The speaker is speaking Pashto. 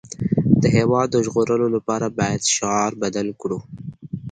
د هېواد د ژغورلو لپاره باید شعار بدل کړو